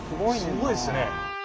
すごいっすね。